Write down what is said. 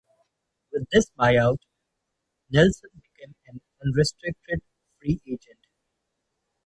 With this buyout, Nilsson became an unrestricted free agent.